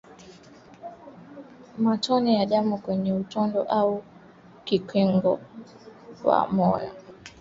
Matone ya damu kwenye utando au ukingo wa moyo